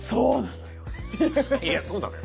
いやそうなのよ。